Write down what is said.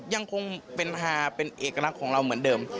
ยังคงเป็นฮาเป็นเอกลักษณ์ของเราเหมือนเดิม